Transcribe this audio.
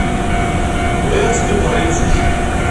Bɣiɣ ad teddumt ɣer yimsujji.